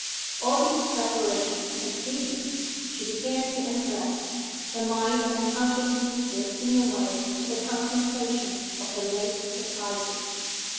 All these preparations completed, she began to undress, her mind unconsciously drifting away to the contemplation of her late surprises.